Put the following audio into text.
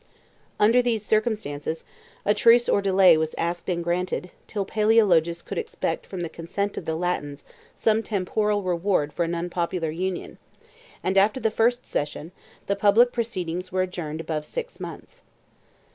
Under these circumstances, a truce or delay was asked and granted, till Palæologus could expect from the consent of the Latins some temporal reward for an unpopular union; and after the first session, the public proceedings were adjourned above six months.